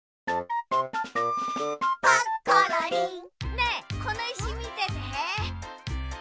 ねえこのいしみてて。